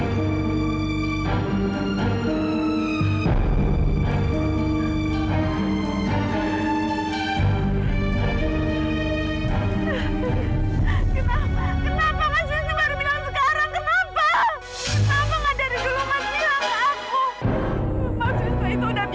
kenapa kenapa mas justri baru bilang sekarang kenapa